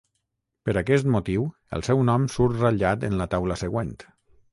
Per aquest motiu el seu nom surt ratllat en la taula següent.